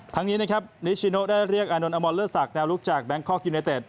ทั้งนี้นิชชิโนะได้เรียกอานนอนอมรเลือดศักดิ์แนวลุกจากแบงค์คอล์กยูเนตเต็ด